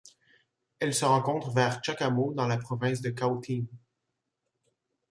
Elle se rencontre vers Chacamo dans la province de Cautín.